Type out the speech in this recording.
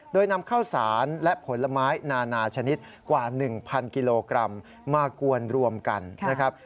โดยนำข้าวสารและผลไม้นานาชนิดกว่า๑๐๐กิโลกรัมมากวนรวมกันนะครับ